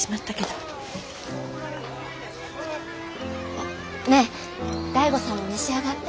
あっねえ醍醐さんも召し上がって。